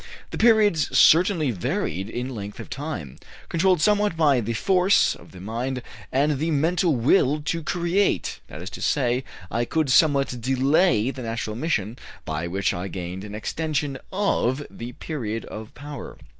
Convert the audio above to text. The periods certainly varied in length of time, controlled somewhat by the force of the mind and the mental will to create; that is to say, I could somewhat delay the natural emission, by which I gained an extension of the period of power."